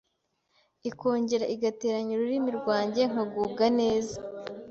ikongera igateranya ururimi rwanjye nkagubwa neza